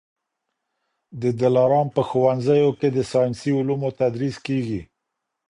د دلارام په ښوونځیو کي د ساینسي علومو تدریس کېږي.